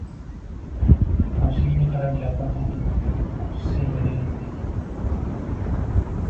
-Og’zingga qarab gapir xotin! U qiz sen o’ylagandek…